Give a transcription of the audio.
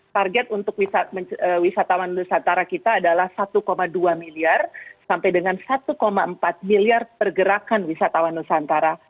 target untuk wisatawan nusantara kita adalah satu dua miliar sampai dengan satu empat miliar pergerakan wisatawan nusantara